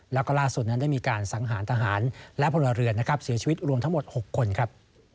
แล้วก็ล่าสุดนั้นได้มีการสังหารทหารและพลเรือนนะครับเสียชีวิตรวมทั้งหมด๖คนครับ